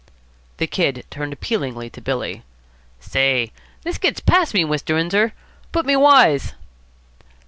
The Kid turned appealingly to Billy. "Say, this gets past me, Mr. Windsor. Put me wise."